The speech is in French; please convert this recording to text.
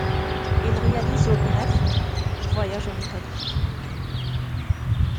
Il réalise un bref voyage en Italie.